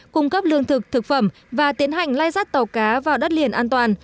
cung cấp lương thực thực phẩm và tiến hành lai rắt tàu cá vào đất liền an toàn